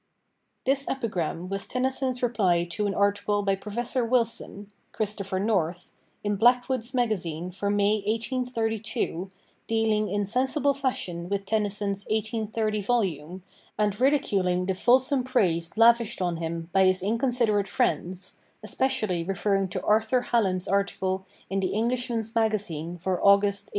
[This epigram was Tennyson's reply to an article by Professor Wilson 'Christopher North' in Blackwood's Magazine for May 1832, dealing in sensible fashion with Tennyson's 1830 volume, and ridiculing the fulsome praise lavished on him by his inconsiderate friends especially referring to Arthur Hallam's article in the Englishman's Magazine for August, 1831.